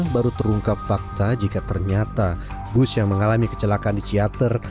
baru terungkap fakta jika ternyata bus yang mengalami kecelakaan di ciater